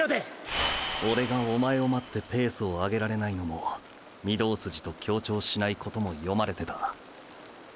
オレがおまえを待ってペースを上げられないのも御堂筋と協調しないことも読まれてた。